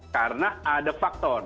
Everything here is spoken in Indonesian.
karena ada faktor